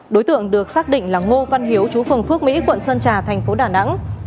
đối tượng được xác định là ngô văn hiếu chú phường phước mỹ quận sơn trà thành phố đà nẵng